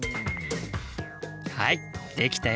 はいできたよ。